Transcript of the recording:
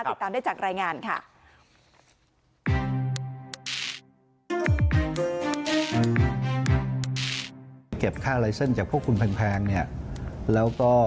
ติดตามได้จากรายงานค่ะ